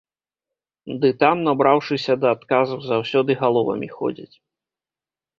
Ды там, набраўшыся да адказу, заўсёды галовамі ходзяць.